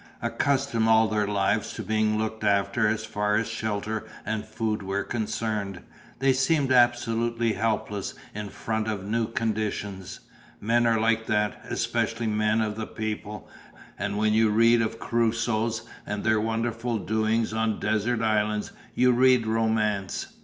Accustomed all their lives to being looked after as far as shelter and food were concerned they seemed absolutely helpless in front of new conditions. Men are like that, especially men of the people, and when you read of Crusoes and their wonderful doings on desert islands you read Romance.